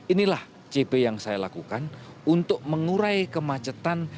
inilah cp yang saya lakukan untuk mengurai kemacetan